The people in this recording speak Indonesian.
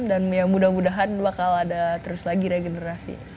dan ya mudah mudahan bakal ada terus lagi regenerasi